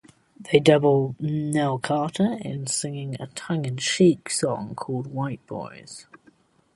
They double Nell Carter in singing a tongue-in-cheek song called "White Boys".